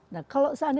nah kalau saat ini